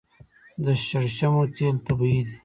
د شړشمو تیل طبیعي دي.